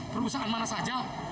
perusahaan mana saja